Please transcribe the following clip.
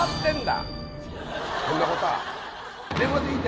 こんなことは。